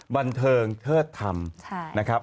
บันเทิงเทิดธรรมนะครับ